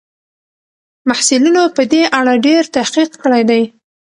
محصلینو په دې اړه ډېر تحقیق کړی دی.